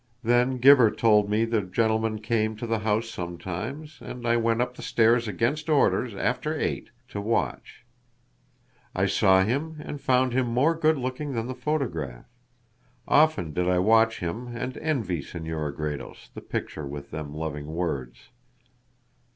Then Gibber told me the gentleman came to the house sometimes, and I went up the stairs against orders after eight to watch. I saw him and found him more good looking than the photograph. Often did I watch him and envy Senora Gredos the picture with them loving words.